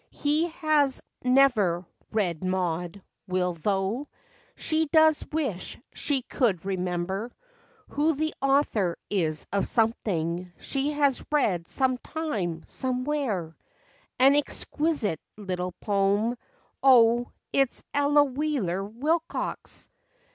He has never read Maud, will tho\ She does wish she could remember Who the author is of something She has read sometime, somewhere, An exquisite little poem— O, its Ella Wheeler Wilcox!